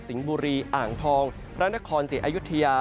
สิงห์บุรีอ่างทองพระนครเสียอยุธยา